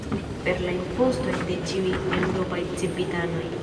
Per la impostoj de ĉiuj eŭropaj civitanoj.